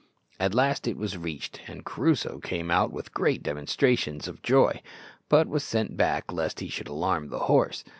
At last it was reached, and Crusoe came out with great demonstrations of joy, but was sent back lest he should alarm the horse.